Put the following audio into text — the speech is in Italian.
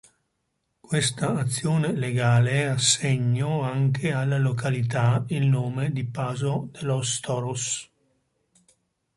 Questa azione legale assegno anche alla località il nome di Paso de los Toros.